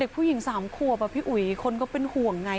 เด็กผู้หญิงสามครัวป่ะพี่อุ๋ยคนก็เป็นห่วงไง